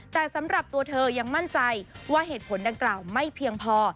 แต่สำหรับตัวเธอยังมั่นใจว่าเหตุผลดังกล่าวไม่เพียงพอ